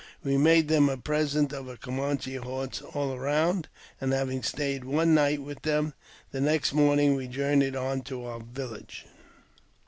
We made them a present of a Camanche horse all round, and, having stayed one night with them, the next morning we journeyed on to our village.